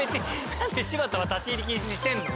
「なんで柴田は立ち入り禁止にしてるの？